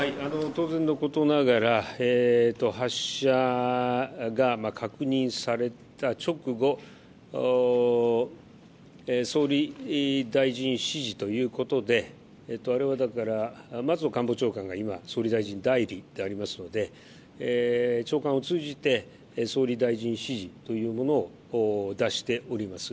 当然のことながら発射が確認された直後、総理大臣指示ということで松野官房長官が今、総理大臣代理でありますので、長官を通じて総理大臣指示というものを出しております。